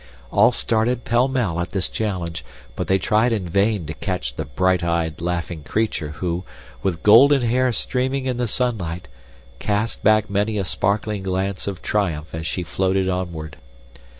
All started, pell mell, at this challenge, but they tried in vain to catch the bright eyed, laughing creature who, with golden hair streaming in the sunlight, cast back many a sparkling glance of triumph as she floated onward.